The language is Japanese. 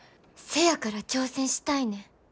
せやから挑戦したいねん。